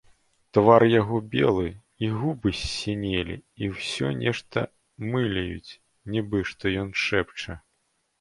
Твар яго белы, і губы ссінелі і ўсё нешта мыляюць, нібы што ён шэпча.